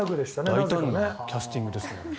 大胆なキャスティングですね。